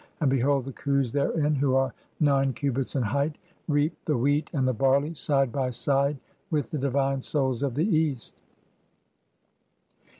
And behold, the Khus "therein, who are nine cubits in height, (14) reap the wheat "and the barley, side by side with the divine Souls of the East."